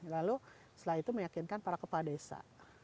lalu setelah itu meyakinkan para kepala desa